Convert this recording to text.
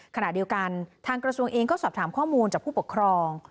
ขณะเดียวกันทางกระทรวงเองก็สอบถามข้อมูลจากผู้ปกครอง